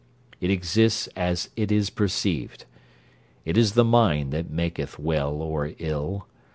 It exists as it is perceived. 'It is the mind that maketh well or ill.'